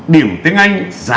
điểm tiếng anh giảm